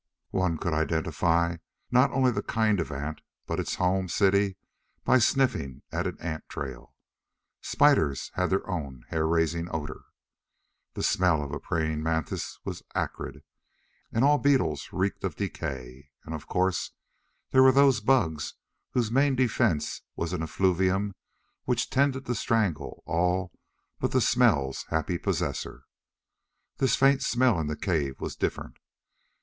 One could identify not only the kind of ant, but its home city, by sniffing at an ant trail. Spiders had their own hair raising odor. The smell of a praying mantis was acrid, and all beetles reeked of decay. And of course there were those bugs whose main defense was an effluvium which tended to strangle all but the smell's happy possessor. This faint smell in the cave was different.